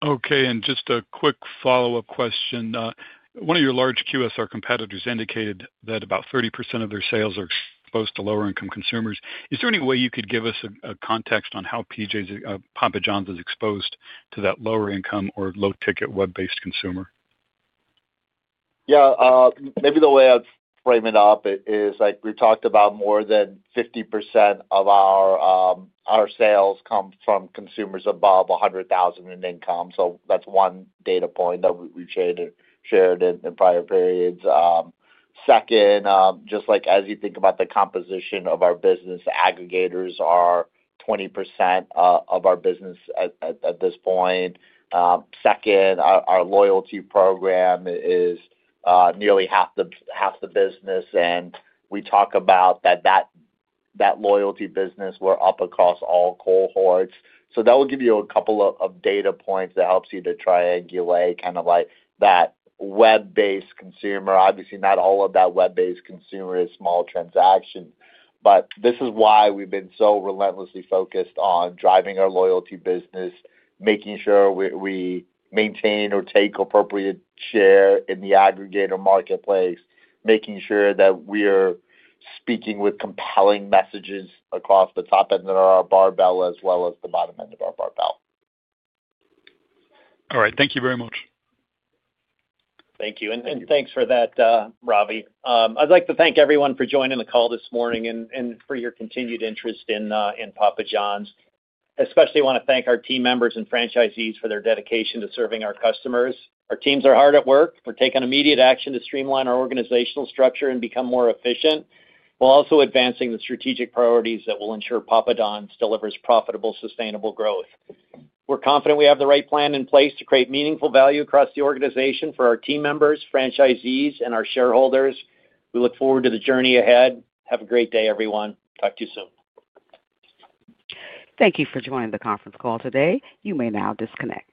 Okay. Just a quick follow-up question. One of your large QSR competitors indicated that about 30% of their sales are exposed to lower-income consumers. Is there any way you could give us a context on how PJ's, Papa John's is exposed to that lower-income or low-ticket web-based consumer? Yeah. Maybe the way I'd frame it up is we've talked about more than 50% of our sales come from consumers above $100,000 in income. So that's one data point that we've shared in prior periods. Second, just as you think about the composition of our business, aggregators are 20% of our business at this point. Second, our loyalty program is nearly half the business. And we talk about that loyalty business, we're up across all cohorts. So that will give you a couple of data points that helps you to triangulate kind of that web-based consumer. Obviously, not all of that web-based consumer is small transaction. This is why we've been so relentlessly focused on driving our loyalty business, making sure we maintain or take appropriate share in the aggregator marketplace, making sure that we're speaking with compelling messages across the top end of our barbell as well as the bottom end of our barbell. All right. Thank you very much. Thank you. And thanks for that, Ravi. I'd like to thank everyone for joining the call this morning and for your continued interest in Papa John's. Especially, I want to thank our team members and franchisees for their dedication to serving our customers. Our teams are hard at work. We're taking immediate action to streamline our organizational structure and become more efficient, while also advancing the strategic priorities that will ensure Papa John's delivers profitable, sustainable growth. We're confident we have the right plan in place to create meaningful value across the organization for our team members, franchisees, and our shareholders. We look forward to the journey ahead. Have a great day, everyone. Talk to you soon. Thank you for joining the conference call today. You may now disconnect.